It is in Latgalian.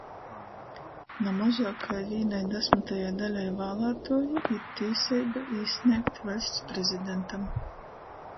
Na mozuok kai vīnai dasmytai daļai vālātuoju ir tīseiba īsnēgt Vaļsts Prezidentam